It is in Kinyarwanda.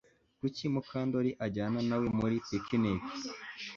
Kuki Mukandoli ajyana na we muri picnic